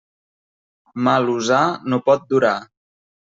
Mal usar no pot durar.